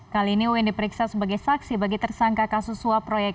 kali ini uin diperiksa sebagai saksi bagi tersangka kasus suap proyek